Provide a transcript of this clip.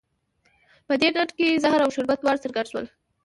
په دې ډنډه کې زهر او شربت دواړه سره ګډ شول.